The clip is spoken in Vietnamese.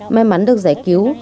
may mắn được giải cứu